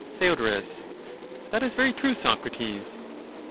Theod, That is very true, Socrates.